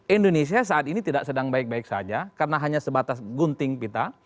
indonesia saat ini tidak sedang baik baik saja karena hanya sebatas gunting pita